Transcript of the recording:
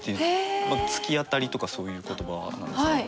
突き当たりとかそういう言葉なんですが。